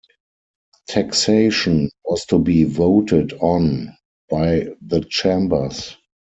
Taxation was to be voted on by the chambers.